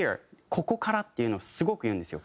「ここから」っていうのをすごく言うんですよ。